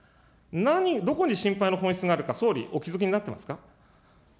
どこに心配の本質があるか、総理、お気付きになってますか。